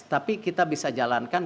tapi kita bisa jalankan